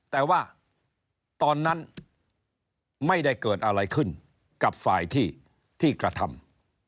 แต่ว่าตอนนั้นไม่ได้เกิดอะไรขึ้นกับฝ่ายที่กระทำ